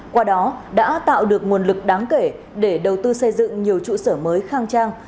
qua đó đã tạo được nguồn lực đáng kể để đầu tư xây dựng nhiều trụ sở mới khang trang